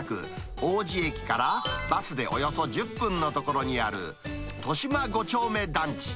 王子駅からバスでおよそ１０分の所にある、豊島五丁目団地。